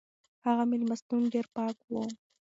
هغه مېلمستون ډېر پاک و.